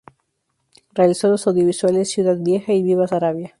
Realizó los audiovisuales "Ciudad Vieja" y "Viva Saravia".